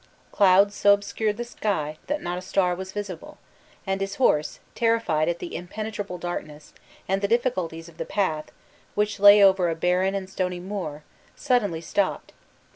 Clouds so obscured the sky, that not a star was visible; and his horse, terrified at the impenetrable darkness, and the difficulties of the path, which lay over a barren and stony moor, suddenly stopped.